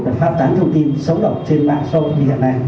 và phát tán thông tin xấu độc trên mạng show như hiện nay